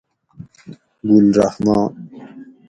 گل رحمان